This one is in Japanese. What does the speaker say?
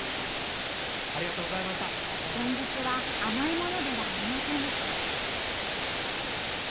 現実は甘いものではありませんでした。